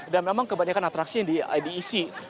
dan memang kebanyakan atraksi yang diisi